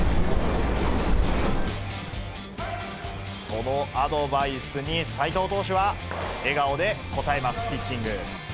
そのアドバイスに、齋藤投手は笑顔で応えます、ピッチング。